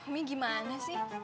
mi gimana sih